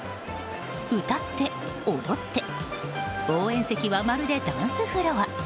歌って踊って応援席は、まるでダンスフロア。